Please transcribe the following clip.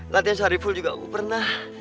latihan sorry full juga aku pernah